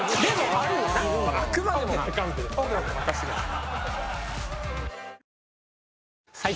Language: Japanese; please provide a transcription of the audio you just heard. あくまでも任せてください。